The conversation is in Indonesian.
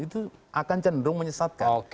itu akan cenderung menyesatkan